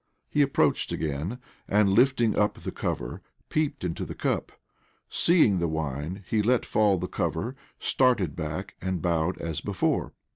He approached again; and lifting op the cover, peeped into the cup. Seeing the wine, he let fall the cover, started back, and bowed as before.